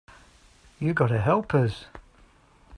You got to help us.